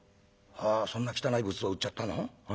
「そんな汚い仏像売っちゃったの？